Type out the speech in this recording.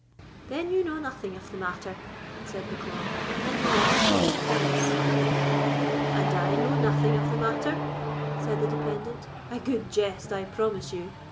"Then you know nothing of the matter," said Bucklaw, "and you never saw him fence." "And I know nothing of the matter?" said the dependant—"a good jest, I promise you!